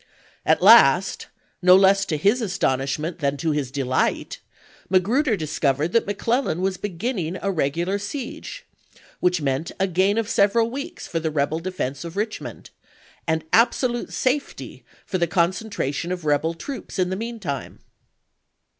At last, no less to his astonishment than to his delight, Magruder discovered that McClellan was beginning a regular siege, which meant a gain of several weeks for the rebel defense of Richmond, and absolute safety for the concentration of rebel troops in the mean time.